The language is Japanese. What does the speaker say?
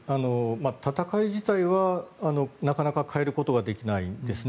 戦い自体はなかなか変えることができないんですね。